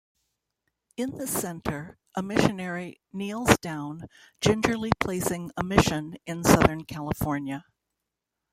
In the center, a Missionary kneels down, gingerly placing a mission in Southern California.